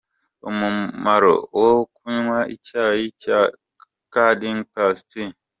Umumaro wo kunywa icyayi cya Kudding Plus Tea.